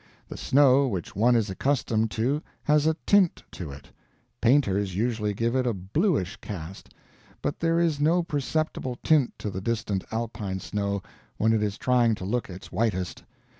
The snow which one is accustomed to has a tint to it painters usually give it a bluish cast but there is no perceptible tint to the distant Alpine snow when it is trying to look its whitest.